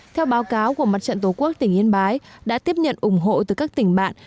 theo báo cáo của mặt trận tổ quốc tỉnh yên bái đã tiếp nhận ủng hộ từ các tỉnh bạn